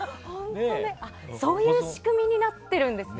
そういう仕組みになってるんですね。